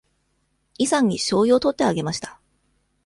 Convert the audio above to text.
イさんにしょうゆを取ってあげました。